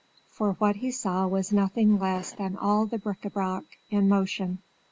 For what he saw was nothing less than all the bric à brac in motion.